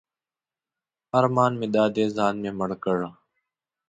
ارمان مې دا دی ځان مې مړ کړ.